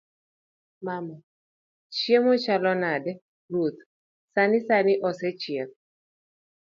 mama; chiemo chalo nade? ruoth; sani sani osechiek